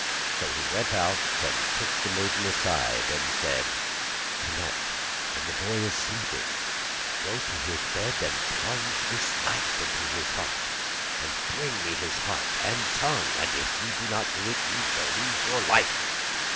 So he went out and took the maiden aside, and said: 'Tonight when the boy is asleep, go to his bed and plunge this knife into his heart, and bring me his heart and tongue, and if you do not do it, you shall lose your life.